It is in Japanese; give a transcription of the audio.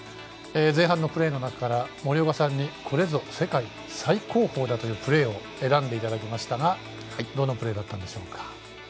前半のプレーの中から森岡さんにこれぞ世界最高峰だというプレーを選んでいただきましたがどのプレーだったんでしょうか？